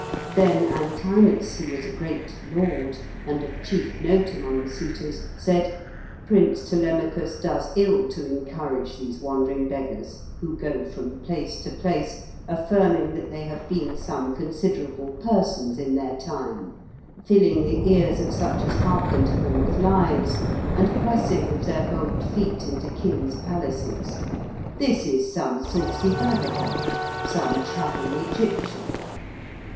Then Antinous, who was a great lord, and of chief note among the suitors, said, "Prince Telemachus does ill to encourage these wandering beggars, who go from place to place, affirming that they have been some considerable persons in their time, filling the ears of such as hearken to them with lies, and pressing with their bold feet into kings' palaces. This is some saucy vagabond, some travelling Egyptian."